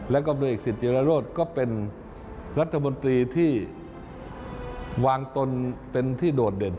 แล้วก็บริเอกสิทธิรโรธก็เป็นรัฐมนตรีที่วางตนเป็นที่โดดเด่น